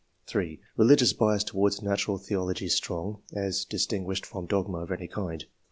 3. " Religious bias towards natural theology strong, as distinguished from dogma of any kind."